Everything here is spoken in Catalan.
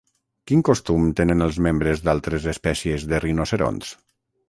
Quin costum tenen els membres d'altres espècies de rinoceronts?